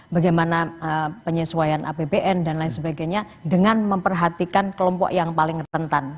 bagaimana penyesuaian apbn dan lain sebagainya dengan memperhatikan kelompok yang paling rentan